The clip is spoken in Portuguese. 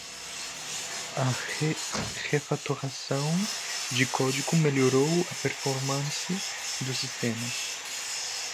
A refatoração do código melhorou a performance do sistema.